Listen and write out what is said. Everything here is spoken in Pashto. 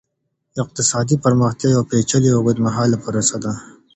اقتصادي پرمختيا يوه پېچلې او اوږدمهاله پروسه ده.